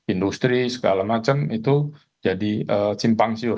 industri segala macam itu jadi simpang siur